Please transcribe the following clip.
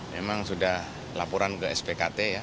memang sudah laporan ke s u p kt